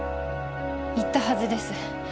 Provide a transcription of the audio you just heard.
言ったはずです。